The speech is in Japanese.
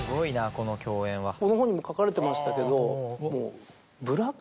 この本にも書かれてましたけど。